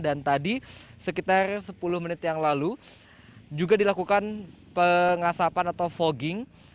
dan tadi sekitar sepuluh menit yang lalu juga dilakukan pengasapan atau fogging